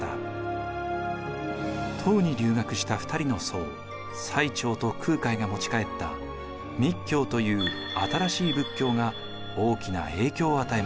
唐に留学した２人の僧最澄と空海が持ち帰った密教という新しい仏教が大きな影響を与えます。